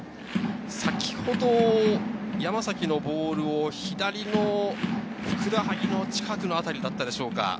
先ほど山崎のボールを左のふくらはぎの近くのあたりだったでしょうか。